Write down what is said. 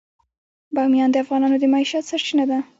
بامیان د افغانانو د معیشت سرچینه ده.